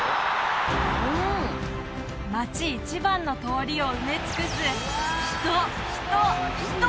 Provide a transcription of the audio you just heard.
街一番の通りを埋め尽くす人人人！